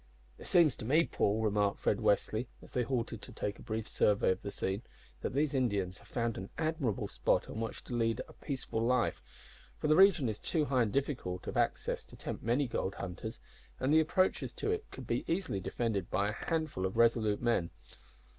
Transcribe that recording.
"It seems to me, Paul," remarked Fred Westly, as they halted to take a brief survey of the scene, "that these Indians have found an admirable spot on which to lead a peaceful life, for the region is too high and difficult of access to tempt many gold hunters, and the approaches to it could be easily defended by a handful of resolute men."